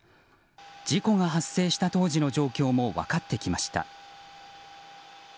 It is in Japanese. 事故が発生した当時の状況も分かってきました。